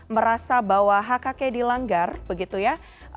merasa bahwa hk dilanggar begitu ya